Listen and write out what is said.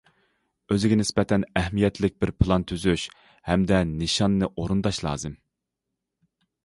ئۆزىگە نىسبەتەن ئەھمىيەتلىك بىر پىلان تۈزۈش ھەمدە نىشاننى ئورۇنداش لازىم.